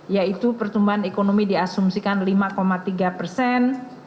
yaitu pertumbuhan ekonomi diasumsikan lima tiga persen